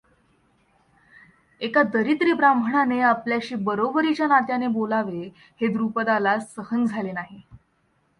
एका दरिद्री ब्राम्हणाने आपल्याशी बरोबरीच्या नात्याने बोलावे हे द्रुपदाला सहन झाले नाही.